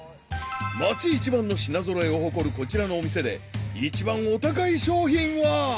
［町一番の品揃えを誇るこちらのお店で一番お高い商品は？］